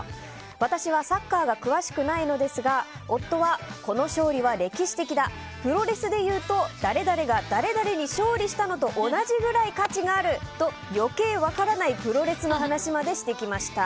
私はサッカーが詳しくないのですが夫は、この勝利は歴史的だプロレスでいうと誰々が誰々に勝利したのと同じぐらい価値があると余計分からないプロレスの話までしてきました。